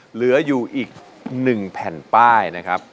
เหลืออยู่อีก๑แผ่นป้ายนะครับ